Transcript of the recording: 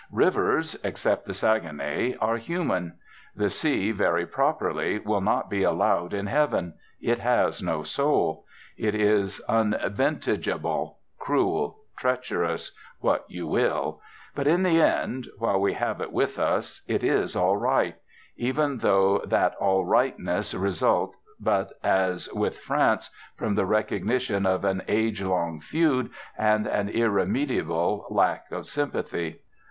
Rivers (except the Saguenay) are human. The sea, very properly, will not be allowed in heaven. It has no soul. It is unvintageable, cruel, treacherous, what you will. But, in the end while we have it with us it is all right; even though that all rightness result but, as with France, from the recognition of an age long feud and an irremediable lack of sympathy.